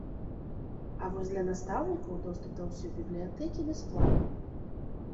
А вось для настаўнікаў доступ да ўсёй бібліятэкі бясплатны.